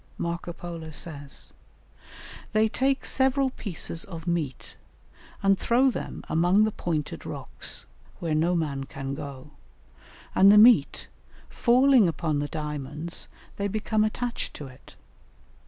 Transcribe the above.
Marco Polo says: "They take several pieces of meat, and throw them among the pointed rocks, where no man can go, and the meat, falling upon the diamonds, they become attached to it.